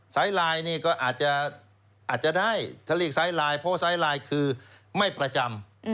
ไลน์นี่ก็อาจจะได้ถ้าเรียกไซส์ไลน์เพราะไซส์ไลน์คือไม่ประจำ